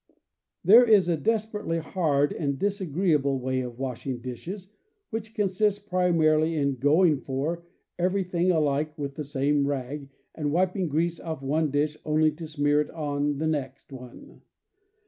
There is a desperately hard and disagreeable way of washing dishes, which consists, primarily, in "going for" everything alike with the same rag, and wiping grease off one dish only to smear it on the next one.